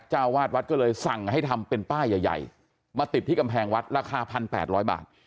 เจ้าวาดวัดก็เลยสั่งให้ทำเป็นป้ายใหญ่มาติดที่กำแพงวัดราคา๑๘๐๐บาท